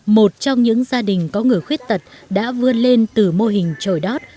một trong những gia đình có người khuyết tật đã vươn lên từ mô hình trồi đót